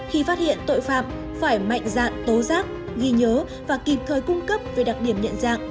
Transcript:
khi phát hiện tội phạm phải mạnh dạn tố giác ghi nhớ và kịp thời cung cấp về đặc điểm nhận dạng